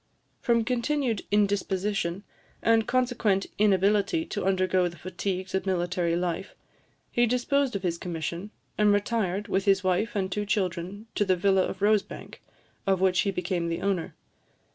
From continued indisposition, and consequent inability to undergo the fatigues of military life, he disposed of his commission, and retired, with his wife and two children, to the villa of Rosebank, of which he became the owner.